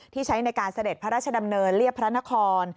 ใช้ในการเสด็จพระราชดำเนินเรียบพระนคร